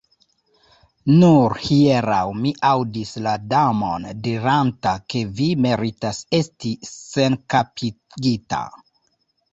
"Nur hieraŭ mi aŭdis la Damon diranta ke vi meritas esti senkapigita."